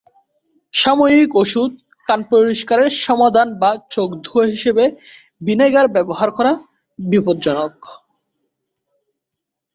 সাময়িক ওষুধ, কান পরিষ্কারের সমাধান বা চোখ ধোয়া হিসাবে ভিনেগার ব্যবহার করা বিপজ্জনক।